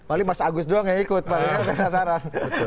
paling mas agus doang yang ikut palingnya penataran